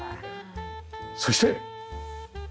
そして。